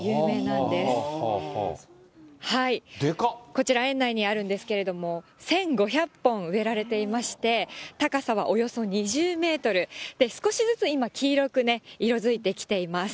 こちら園内にあるんですけど、１５００本植えられていまして、高さはおよそ２０メートル、少しずつ今、黄色く色づいてきています。